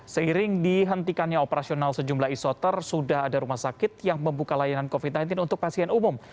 seiring dihentikannya operasional sejumlah isoter sudah ada rumah sakit yang membuka layanan covid sembilan belas untuk pasien umum